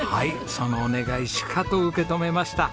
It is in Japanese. そのお願いしかと受け止めました。